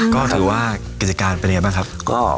ก็ถือว่ากิจการเป็นยังไงบ้างครับ